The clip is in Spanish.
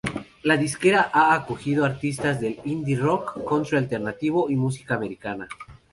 La disquera ha acogido artistas de indie rock, country alternativo y música americana.